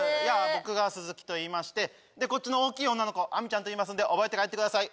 僕が鈴木といいましてでこっちの大きい女の子アミちゃんといいますので覚えて帰ってください